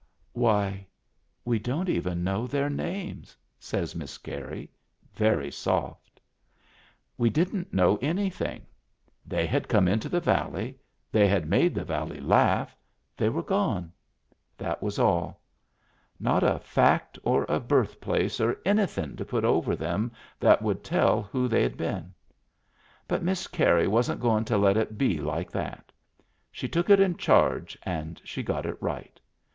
"Why, we don't even know their names!" says Miss Carey, very soft. We didn't know anything. They had come into the valley, they had made the valley laugh, Digitized by Google WHERE rr WAS 27s they were gone. That was all. Not a fact or a birthplace or an3rthin' to put over them that would tell who they had been. But Miss Carey wasn*t goin' to let it be like that. She took it in charge and she got it right.